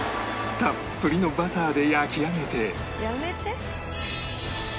たっぷりのバターで焼き上げて